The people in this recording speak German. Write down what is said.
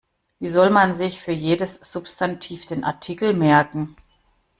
Wie soll man sich für jedes Substantiv den Artikel merken?